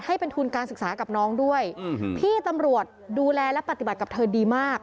ให้เป็นทุนการศึกษากับน้องด้วยพี่ตำรวจดูแลและปฏิบัติกับเธอดีมาก